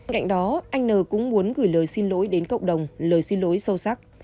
cạnh đó anh n cũng muốn gửi lời xin lỗi đến cộng đồng lời xin lỗi sâu sắc